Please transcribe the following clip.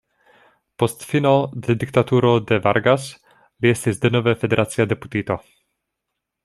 Post fino de diktaturo de Vargas li estis denove federacia deputito.